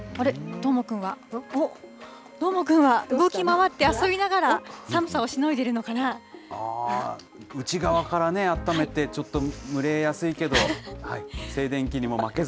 どーもくんは、どーもくんは、動き回って遊びながら、寒さあー、内側からね、あっためて、ちょっと蒸れやすいけど、静電気にも負けず。